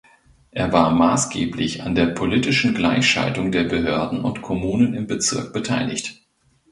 Er war maßgeblich an der politischen Gleichschaltung der Behörden und Kommunen im Bezirk beteiligt.